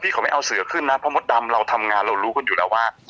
เขาไม่เอาเสือขึ้นนะเพราะมดดำเราทำงานเรารู้กันอยู่แล้วว่า